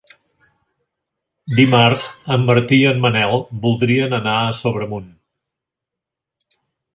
Dimarts en David i en Manel voldrien anar a Sobremunt.